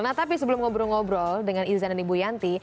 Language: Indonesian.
nah tapi sebelum ngobrol ngobrol dengan izan dan ibu yanti